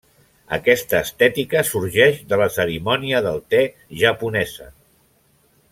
Aquesta estètica sorgeix de la cerimònia del te japonesa.